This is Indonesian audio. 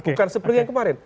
bukan seperti yang kemarin